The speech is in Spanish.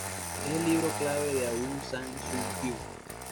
Es el libro clave de Aung San Suu Kyi.